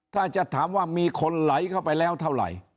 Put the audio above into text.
ถ้าจะถามว่ามีคนไหลเข้าไปแล้วเท่าไหร่